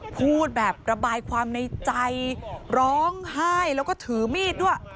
พูดแบบระบายความในใจร้องไห้แล้วก็ถือมีดด้วย